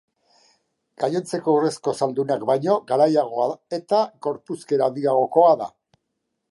Gainontzeko urrezko zaldunak baino garaiagoa eta gorpuzkera handiagokoa da.